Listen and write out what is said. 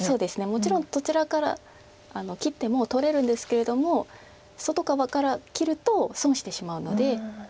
もちろんどちらから切っても取れるんですけれども外側から切ると損してしまうので。